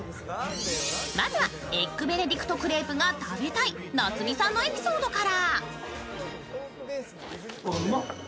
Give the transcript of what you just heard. まずはエッグベネディクトクレープが食べたいなつみさんのエピソードから。